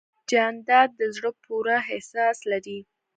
جانداد د زړه پوره احساس لري.